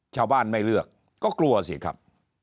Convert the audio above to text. ชาวบ้านไม่เลือกก็กลัวสิครับ